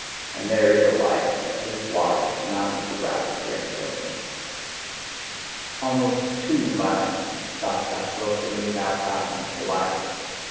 And there is a life at whose waters none of the rabble drink with me! Almost too violently dost thou flow for me, thou fountain of delight!